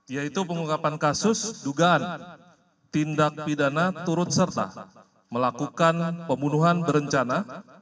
yaitu pengungkapan kasus dugaan tindak pidana turut serta melakukan pembunuhan berencana